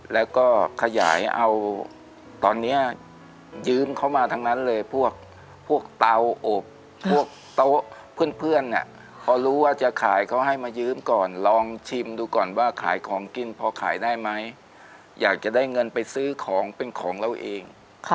แล้วก็ขยายเอาตอนนี้ยืมเขามาทั้งนั้นเลยพวกเตาอบพวกโต๊ะเพื่อนพอรู้ว่าจะขายเขาให้มายืมก่อนลองชิมดูก่อนว่าขายของกินพอขายได้ไหมอยากจะได้เงินไปซื้อของเป็นของเราเอง